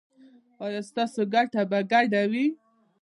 ایا ستاسو ګټه به ګډه وي؟